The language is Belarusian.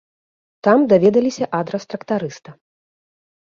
Там даведаліся адрас трактарыста.